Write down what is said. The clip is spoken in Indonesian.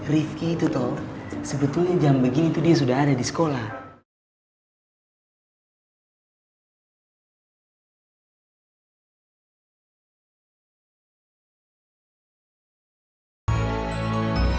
rifqi itu tuh sebetulnya jam begini tuh dia sudah ada di sekolah